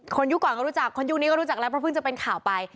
ยุคก่อนก็รู้จักคนยุคนี้ก็รู้จักแล้วเพราะเพิ่งจะเป็นข่าวไป